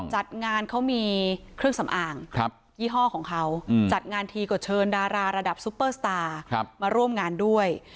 จัดงานเขามีเครื่องสำอางยี่ห้อของเขาจัดงานทีก็เชิญดาราระดับซุปเปอร์สตาร์มาร่วมงานด้วย